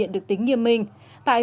trong trường hợp này